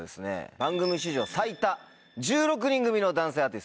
番組史上最多１６人組の男性アーティストです。